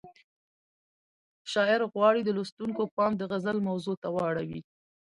شاعر غواړي د لوستونکو پام د غزل موضوع ته واړوي.